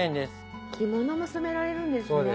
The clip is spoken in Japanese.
着物も染められるんですね。